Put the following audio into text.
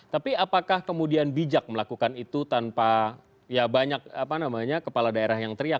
tapi apakah kemudian bijak melakukan itu tanpa banyak kepala daerah yang teriak